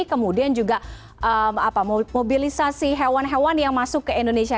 kemudian juga mobilisasi hewan hewan yang masuk ke indonesia